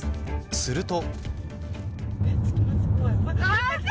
すると。